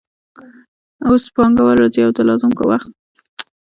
اوس پانګوال راځي او د لازم کار وخت راکموي